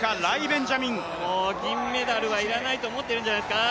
もう銀メダルは要らないと思ってるんじゃないですか。